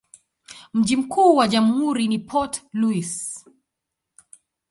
Mji mkuu wa jamhuri ni Port Louis.